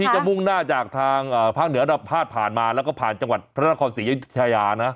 จะมุ่งหน้าจากทางภาคเหนือพาดผ่านมาแล้วก็ผ่านจังหวัดพระนครศรีอยุธยานะ